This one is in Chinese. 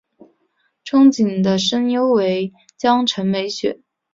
憧憬的声优为泽城美雪。